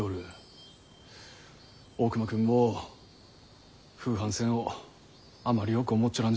大隈君も風帆船をあまりよく思っちょらん